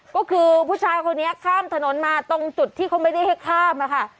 ก็คือผู้ชายคนนี้ข้ามถนนมาตรงจุดที่เขาไม่ได้ให้ข้ามอะค่ะ